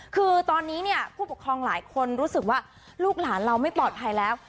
คือตอนนี้เนี่ยผู้ปกครองหลายคนรู้สึกว่าลูกหลานเราไม่ปลอดภัยแล้ว